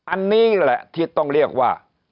อันนี้แหละที่ต้องเรียกว่า